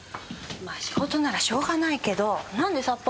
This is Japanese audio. まあ仕事ならしょうがないけどなんで札幌？